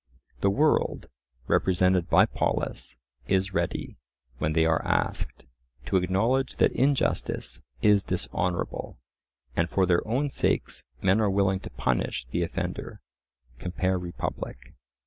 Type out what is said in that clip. The world, represented by Polus, is ready, when they are asked, to acknowledge that injustice is dishonourable, and for their own sakes men are willing to punish the offender (compare Republic).